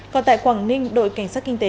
còn tại quảng ninh đội cảnh sát kinh tế